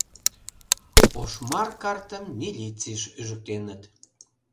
Ошмар картым милицийыш ӱжыктеныт.